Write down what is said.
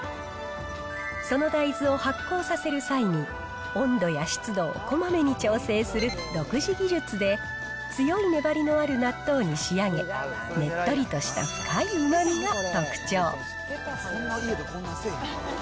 その大豆を発酵させる際に、温度や湿度をこまめに調整する独自技術で、強い粘りのある納豆に仕上げ、ねっとりとした深いうまみが特徴。